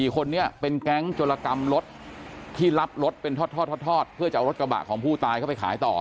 คนนี้เป็นแก๊งโจรกรรมรถที่รับรถเป็นทอดเพื่อจะเอารถกระบะของผู้ตายเข้าไปขายต่อ